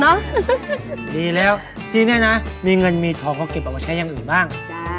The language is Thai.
ดีแล้วที่นี่นะมีเงินมีทองเขาเก็บออกมาใช้อย่างอื่นบ้าง